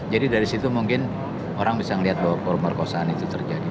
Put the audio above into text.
jadi dari situ mungkin orang bisa melihat bahwa pemerkosaan itu terjadi